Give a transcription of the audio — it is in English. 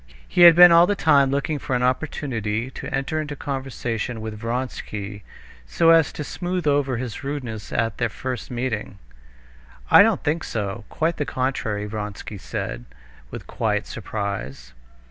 He had been all the time looking for an opportunity to enter into conversation with Vronsky, so as to smooth over his rudeness at their first meeting. "I don't think so, quite the contrary," Vronsky said, with quiet surprise.